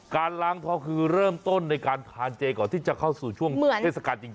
การล้างท้องคือเริ่มต้นในการทานเจก่อนที่จะเข้าสู่ช่วงเทศกาลจริง